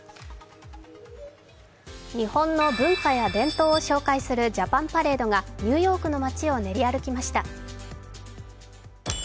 日本の文化や伝統を紹介するジャパンパレードがニューヨークの街を練り歩きました。